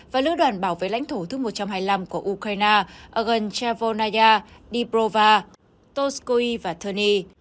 và lữ đoàn bảo vệ lãnh thổ thứ một trăm hai mươi năm của ukraine ở gần chevolnaya dniprova toskoy và terni